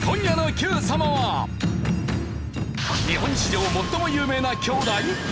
日本史上最も有名な兄弟！？